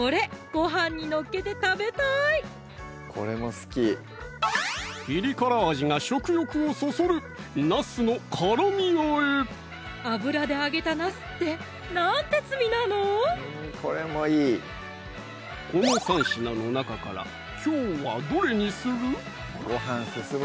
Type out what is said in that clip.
ごはんに載っけて食べたいピリ辛味が食欲をそそる油で揚げたなすってなんて罪なのこの３品の中からきょうはどれにする？